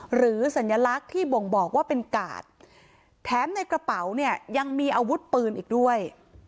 สัญลักษณ์ที่บ่งบอกว่าเป็นกาดแถมในกระเป๋าเนี่ยยังมีอาวุธปืนอีกด้วย